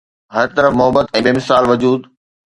هر طرف محبت ۽ بي مثال وجود